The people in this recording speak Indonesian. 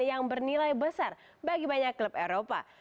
yang bernilai besar bagi banyak klub eropa